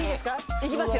いきますよ。